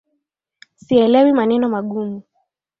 Sielewi maneno magumu